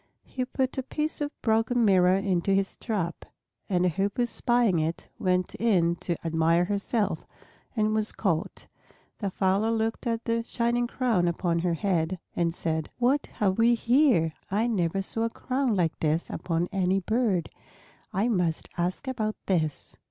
He put a piece of broken mirror into his trap, and a Hoopoe spying it went in to admire herself, and was caught. The fowler looked at the shining crown upon her head and said, "What have we here! I never saw a crown like this upon any bird. I must ask about this."